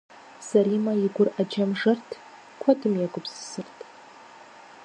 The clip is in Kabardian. Сэримэ и гур Ӏэджэм жэрт, куэдым егупсысырт.